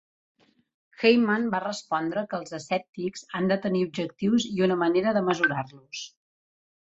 Hyman va respondre que els escèptics han de tenir objectius i una manera de mesurar-los.